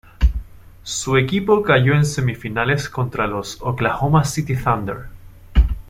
Su equipo cayó en Semifinales contra los Oklahoma City Thunder.